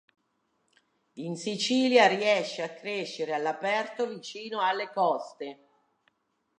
In Sicilia riesce a crescere all'aperto vicino alle coste.